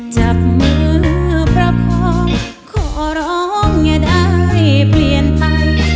จับมือประพองขอร้องอย่าได้เปลี่ยนไป